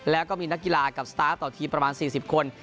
แล้วก็มีนักกีฬากับสตาร์ทต่อทีมประมาณ๔๐คน